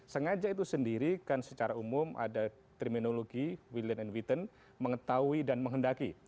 sengaja itu sendiri kan secara umum ada terminologi williant and witton mengetahui dan menghendaki